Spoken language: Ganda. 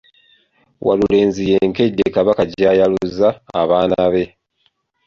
Walulenzi y'enkejje Kabaka gy’ayaluza abaana be.